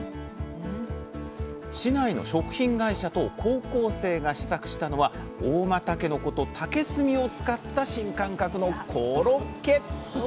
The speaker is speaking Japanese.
市内の食品会社と高校生が試作したのは合馬たけのこと竹炭を使った新感覚のコロッケ！